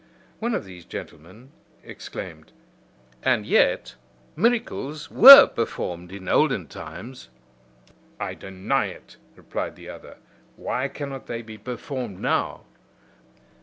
One of these gentlemen exclaimed: "And yet miracles were performed in olden times." "I deny it," replied the other: "Why cannot they be performed now?"